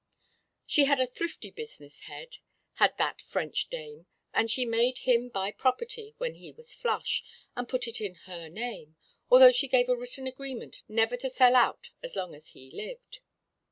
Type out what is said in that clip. She had a thrifty business head, had that French dame, and she had made him buy property when he was flush, and put it in her name, although she gave a written agreement never to sell out as long as he lived.